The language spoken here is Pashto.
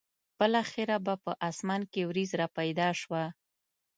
بالاخره به په اسمان کې ورېځ را پیدا شوه.